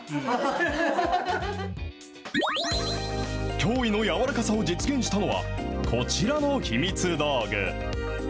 驚異の軟らかさを実現したのは、こちらの秘密道具。